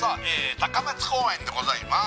高松公園でございます